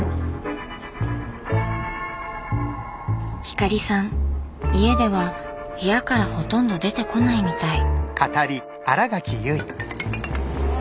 光さん家では部屋からほとんど出てこないみたい。